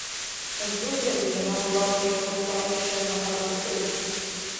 З выгляду яна была за яго старэйшая на гадоў тры.